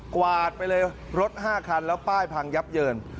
กวาดไปเลยรถ๕คันแล้วป้ายพังยับเยิน